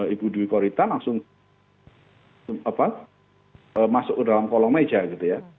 ibu dwi korita langsung masuk ke dalam kolong meja gitu ya